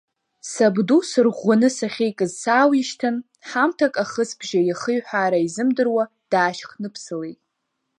Сабду сырӷәӷәаны сахьикыз саауишьҭын, ҳамҭак ахысбжьы иахиҳәаара изымдыруа даашьхныԥсылеит.